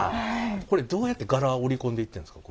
これどうやって柄織り込んでいってんですか？